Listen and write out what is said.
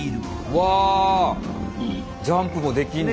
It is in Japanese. わジャンプもできんだ。